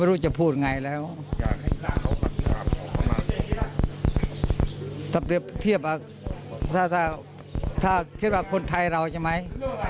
ถ้าเปรียบเทียบถ้าถ้าคิดว่าคนไทยเราใช่ไหม